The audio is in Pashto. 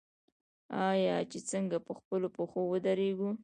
آیا چې څنګه په خپلو پښو ودریږو؟